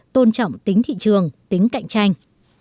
tôn trọng tính thị trường tính cạnh tranh